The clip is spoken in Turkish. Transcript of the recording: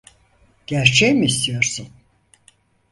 Gerçeği mi istiyorsun?